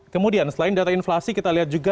kemudian selain data inflasi kita lihat juga